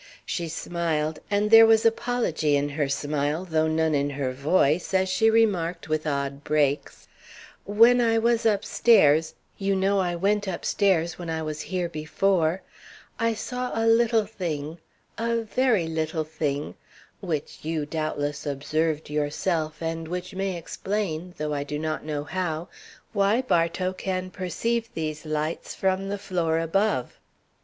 She smiled, and there was apology in her smile, though none in her voice, as she remarked with odd breaks: "When I went upstairs you know I went upstairs when I was here before I saw a little thing a very little thing which you doubtless observed yourself and which may explain, though I do not know how, why Bartow can perceive these lights from the floor above."